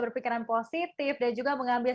berpikiran positif dan juga mengambil